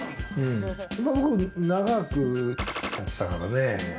僕長くやってたからね。